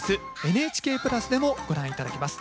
ＮＨＫプラスでもご覧頂けます。